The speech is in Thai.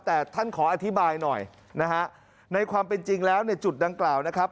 แต่ท่านขออธิบายหน่อยนะฮะในความเป็นจริงแล้วในจุดดังกล่าวนะครับ